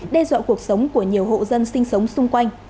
đe dọa cuộc sống của nhiều hộ dân sinh sống xung quanh